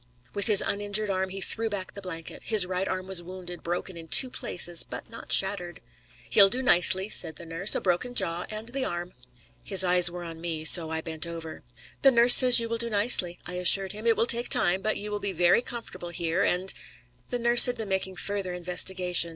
With his uninjured arm he threw back the blanket. His right arm was wounded, broken in two places, but not shattered. "He'll do nicely," said the nurse. "A broken jaw and the arm." His eyes were on me, so I bent over. "The nurse says you will do nicely," I assured him. "It will take time, but you will be very comfortable here, and " The nurse had been making further investigation.